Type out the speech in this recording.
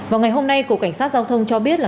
vào ngày hôm nay cục cảnh sát giao thông cho biết là